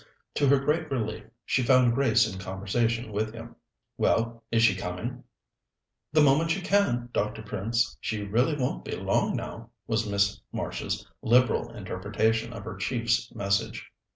To her great relief, she found Grace in conversation with him. "Well, is she coming?" "The moment she can, Dr. Prince. She really won't be long now," was Miss Marsh's liberal interpretation of her chief's message.